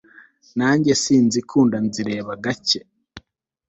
nanjye sinzikunda nzireba gake